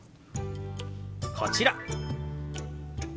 こちら。